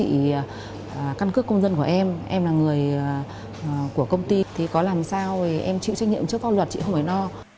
thì căn cước công dân của em em em là người của công ty thì có làm sao em chịu trách nhiệm trước pháp luật chị không phải no